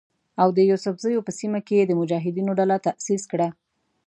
او د یوسفزیو په سیمه کې یې د مجاهدینو ډله تاسیس کړه.